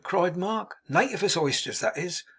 cried Mark. 'Native as oysters, that is!